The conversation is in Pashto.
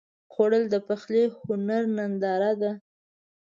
خوړل د پخلي د هنر ننداره ده